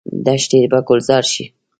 دښتې به ګلزار شي.